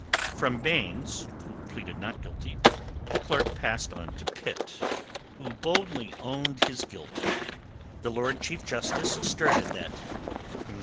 From Baynes, who pleaded not guilty, the clerk passed on to Pitt, who boldly owned his guilt. The Lord Chief Justice stirred at that.